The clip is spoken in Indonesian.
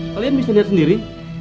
kalian bisa lihat sendiri